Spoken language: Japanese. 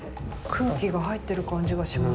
空気が入ってる感じがします。